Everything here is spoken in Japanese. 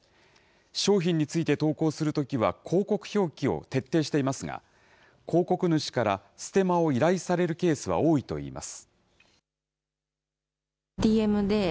商品について投稿するときは広告表記を徹底していますが、広告主からステマを依頼されるケースは多いといいます。